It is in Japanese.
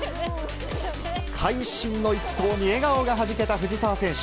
会心の一投に笑顔がはじけた藤澤選手。